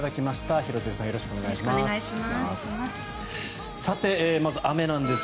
よろしくお願いします。